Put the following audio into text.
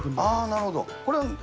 なるほど。